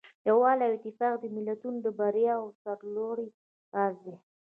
یووالی او اتفاق د ملتونو د بریا او سرلوړۍ راز دی.